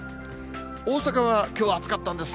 大阪はきょうは暑かったんです。